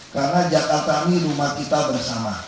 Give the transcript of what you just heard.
karena jakarta ini rumah kita bersama